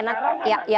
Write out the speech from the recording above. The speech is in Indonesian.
nah kita bangga